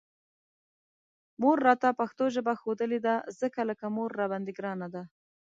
مور راته پښتو ژبه ښودلې ده، ځکه لکه مور راباندې ګرانه ده